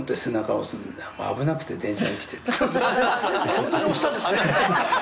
本当に押したんですね。